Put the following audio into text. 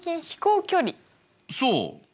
そう！